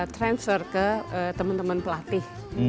transfer ke teman teman pelatih